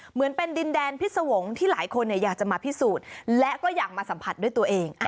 เหมือนเป็นดินแดนพิษวงศ์ที่หลายคนอยากจะมาพิสูจน์และก็อยากมาสัมผัสด้วยตัวเอง